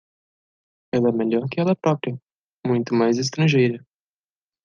Ela é melhor que ela própria, muito mais estrangeira.